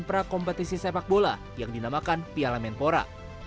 prakompetisi sepak bola yang dinamakan piala menpora